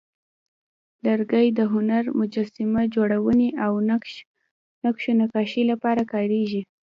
لرګی د هنر، مجسمه جوړونې، او نقش و نقاشۍ لپاره کارېږي.